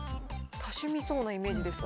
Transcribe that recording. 多趣味そうなイメージですが。